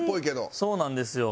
そうなんですよ。